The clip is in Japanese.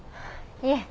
いえ。